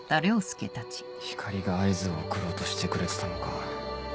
光莉が合図を送ろうとしてくれてたのか。